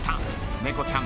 猫ちゃん。